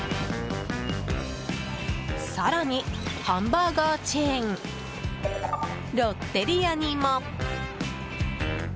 更に、ハンバーガーチェーンロッテリアにも。